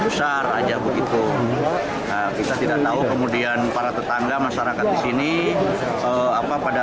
besar aja begitu kita tidak tahu kemudian para tetangga masyarakat di sini apa pada